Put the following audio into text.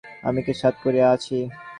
আমি কি সাধ করিয়া আছি!